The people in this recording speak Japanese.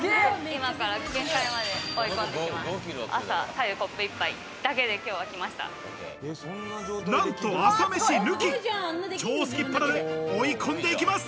今から限界まで追い込んでいきます。